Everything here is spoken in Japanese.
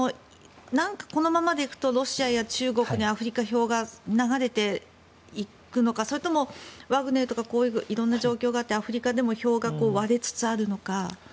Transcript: このままでいくとロシアや中国にアフリカ票が流れていくのかそれともワグネルとか色んな状況があってアフリカでも票が割れつつあるのか。